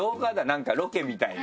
なんかロケみたいな。